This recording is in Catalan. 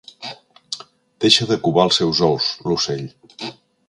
Deixa de covar els seus ous, l'ocell.